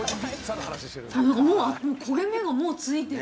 焦げ目がもうついている。